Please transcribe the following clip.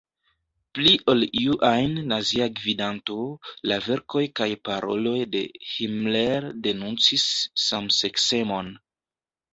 Pli ol iu ajn Nazia gvidanto, la verkoj kaj paroloj de Himmler denuncis samseksemon.